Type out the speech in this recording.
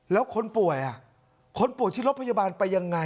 แล้วคนป่วยคนป่วยที่รถพยาบาลไปยังไง